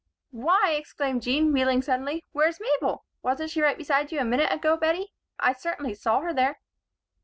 "Why!" exclaimed Jean, wheeling suddenly. "Where's Mabel? Wasn't she right beside you a minute ago, Bettie? I certainly saw her there."